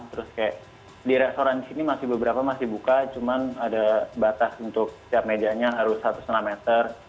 terus kayak di restoran di sini masih beberapa masih buka cuman ada batas untuk setiap mejanya harus satu lima meter